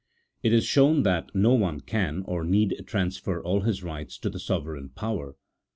IT IS SHOWN THAT NO ONE CAN, OR NEED, TRANSFER ALL HIS RIGHTS TO THE SOVEREIGN POWER.